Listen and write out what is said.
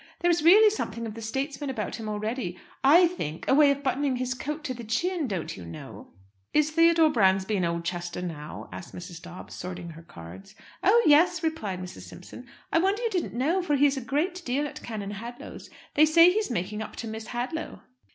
There is really something of the statesman about him already, I think a way of buttoning his coat to the chin, don't you know?" "Is Theodore Bransby in Oldchester now?" asked Mrs. Dobbs, sorting her cards. "Oh yes," replied Mr. Simpson. "I wonder you didn't know, for he is a great deal at Canon Hadlow's. They say he's making up to Miss Hadlow."